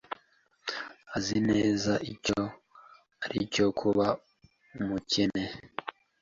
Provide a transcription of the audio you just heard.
Azi neza icyo ari cyo kuba umukene.